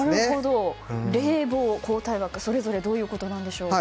それぞれどういうことなんでしょうか？